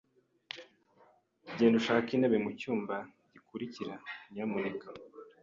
Genda ushake intebe mucyumba gikurikira, nyamuneka.